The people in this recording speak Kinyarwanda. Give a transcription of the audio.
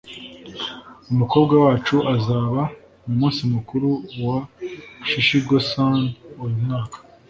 umukobwa wacu azaba mumunsi mukuru wa shichi-go-san uyu mwaka